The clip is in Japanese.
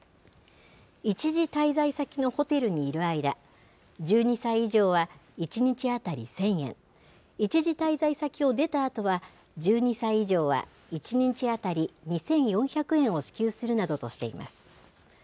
一時滞在先のホテルにいる間、１２歳以上は１日当たり１０００円、一時滞在先を出たあとは、１２歳以上は１日当たり２４００円を支給するなどとしています。